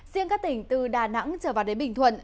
riêng các tỉnh từ đà nẵng trở vào đến bình thuận